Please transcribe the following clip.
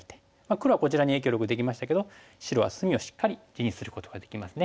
黒はこちらに影響力できましたけど白は隅をしっかり地にすることができますね。